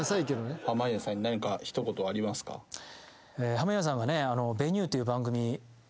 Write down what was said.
濱家さんがね。